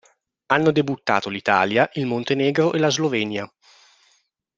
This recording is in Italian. Hanno debuttato l'Italia, il Montenegro e la Slovenia.